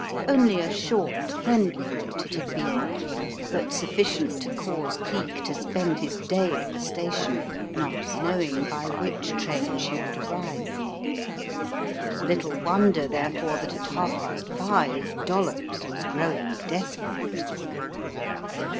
Only a short, friendly note it had been, but sufficient to cause 6 The Riddle of the Purple Emperor Cleek to spend his day at the station, not knowing by which train she would arrive. It was little won der, therefore, that at half past five Dollops was grow ing desperate.